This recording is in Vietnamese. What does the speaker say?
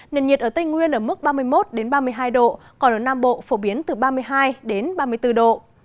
nền nhiệt ở tây nguyên ở mức ba mươi một ba mươi hai độ còn ở nam bộ phổ biến từ ba mươi hai ba mươi bốn độ